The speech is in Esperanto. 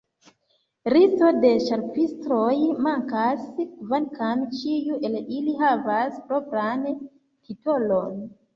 Listo de ĉapitroj mankas, kvankam ĉiu el ili havas propran titolon.